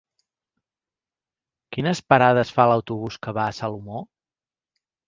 Quines parades fa l'autobús que va a Salomó?